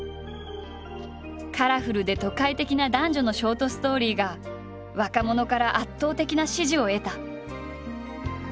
カラフルで都会的な男女のショートストーリーが若者から圧倒的な支持を得た。